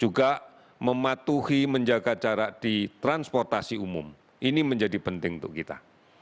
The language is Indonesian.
juga mematuhi menjaga jarak di transportasi umum ini menjadi penting untuk kita